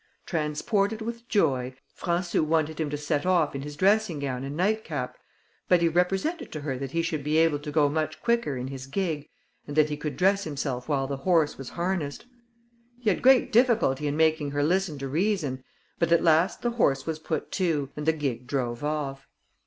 Transported with joy, Françou wanted him to set off in his dressing gown and nightcap, but he represented to her that he should be able to go much quicker in his gig, and that he could dress himself while the horse was harnessed. He had great difficulty in making her listen to reason, but at last the horse was put to, and the gig drove off.